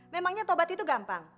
memangnya tobat itu gampang